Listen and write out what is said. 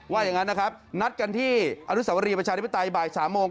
อย่างนั้นนะครับนัดกันที่อนุสาวรีประชาธิปไตยบ่าย๓โมง